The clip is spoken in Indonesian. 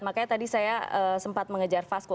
makanya tadi saya sempat mengejar fasko